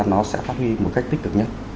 nó sẽ phát huy một cách tích cực nhất